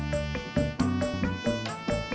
gak muat bu